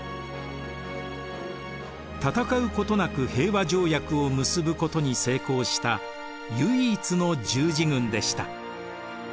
戦うことなく平和条約を結ぶことに成功した唯一の十字軍でした。